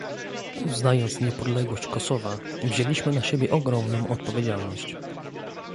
Uznając niepodległość Kosowa wzięliśmy na siebie ogromną odpowiedzialność